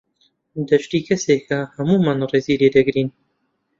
دەشتی کەسێکە هەموومان ڕێزی لێ دەگرین.